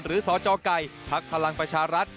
หรือศจไก่พรรคพลังประชารัฐ